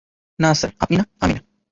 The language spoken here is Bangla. না স্যার আপনি না, - আমি না।